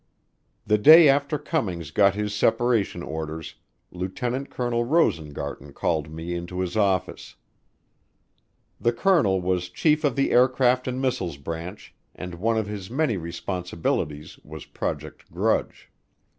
The day after Cummings got his separation orders, Lieutenant Colonel Rosengarten called me into his office. The colonel was chief of the Aircraft and Missiles branch and one of his many responsibilities was Project Grudge.